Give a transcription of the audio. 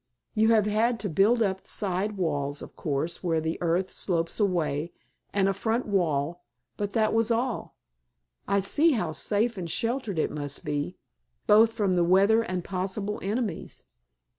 You have had to build up side walls, of course, where the earth slopes away, and a front wall, but that was all. I see how safe and sheltered it must be, both from weather and possible enemies."